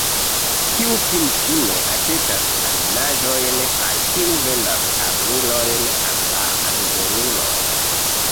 Kiu finfine aĉetas la minaĵojn kaj kiu vendas armilojn al la ribeluloj?